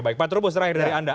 pak turbu serahin dari anda